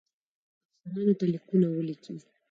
افسرانو ته لیکونه ولیکي.